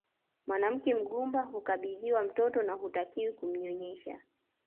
Mwanamke mgumba hukabidhiwa mtoto na hutakiwa kumnyonyesha